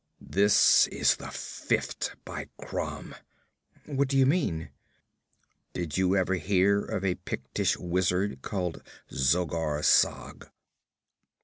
This is the fifth, by Crom!' 'What do you mean?' 'Did you ever hear of a Pictish wizard called Zogar Sag?'